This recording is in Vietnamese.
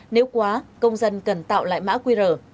nếu quá công dân cần tạo lại mã qr